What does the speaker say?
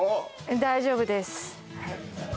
大丈夫です